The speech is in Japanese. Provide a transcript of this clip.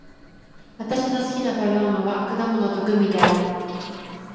私の好きな食べ物は果物とグミである。